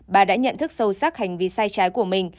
bà đã nhận thức sâu sắc hành vi sai trái của mình